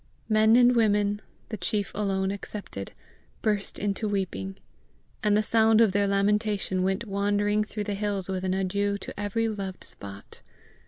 Men and women, the chief alone excepted, burst into weeping, and the sound of their lamentation went wandering through the hills with an adieu to every loved spot.